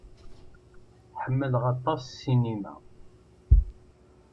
Ḥemmleɣ aṭas ssinima.